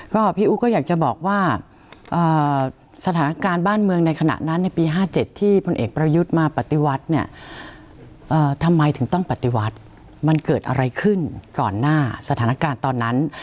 ก็พี่อู๋ก็อยากจะบอกว่าสถานการณ์บ้านเมืองในขณะนั้นในปี๕๗ที่พลเอกประยุทธ์มาปฏิวัติเนี่ยทำไมถึงต้องปฏิวัติมันเกิดอะไรขึ้นก่อนหน้าสถานการณ์ตอนนั้น